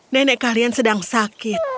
nenek kalian sedang sakit